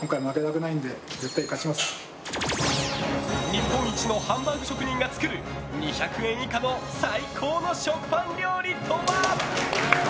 日本一のハンバーグ職人が作る２００円以下の最高の食パン料理とは？